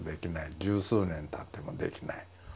十数年たってもできない。